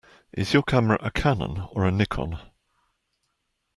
Is your camera a Canon or a Nikon?